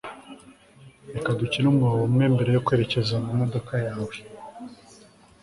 reka dukine umwobo umwe mbere yo kwerekeza mumodoka yawe